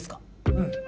うん。